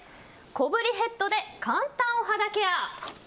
小ぶりヘッドで簡単お肌ケア。